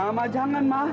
mama jangan ma